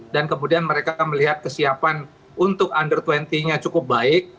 dan kemudian mereka melihat kesiapan untuk under dua puluh nya cukup baik